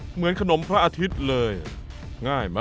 เหมือนขนมพระอาทิตย์เลยง่ายไหม